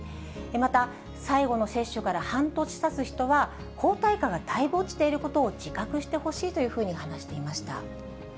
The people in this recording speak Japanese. また、最後の接種から半年たつ人は、抗体価がだいぶ落ちていることを自覚してほしいというふうに話していました。